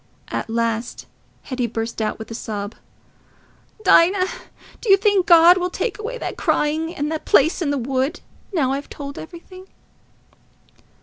At last Hetty burst out, with a sob, "Dinah, do you think God will take away that crying and the place in the wood, now I've told everything?"